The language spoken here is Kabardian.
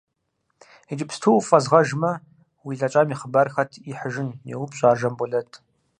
Иджыпсту уфӏэзгъэжмэ, уи лӏэкӏам и хъыбарыр хэт ихьыжын? – йоупщӏ ар Жамбулэт.